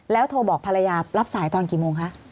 โทรบอกภรรยารับสายตอนกี่โมงคะ